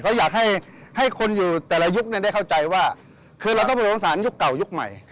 ก็อยากให้คนอยู่แต่ละยุคได้เข้าใจว่าคือเราต้องไปสงสารยุคเก่ายุคใหม่